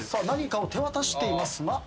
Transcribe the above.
何かを手渡しています。